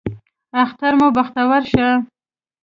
اختر مو بختور شه